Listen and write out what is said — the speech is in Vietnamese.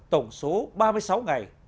tổng số ba mươi sáu ngày